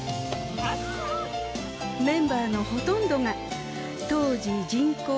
メンバーのほとんどが当時人口